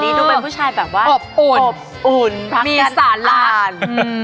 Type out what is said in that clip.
วันนี้ดูเป็นผู้ชายแบบว่าอบอุ่นมากรักกันมีสาราน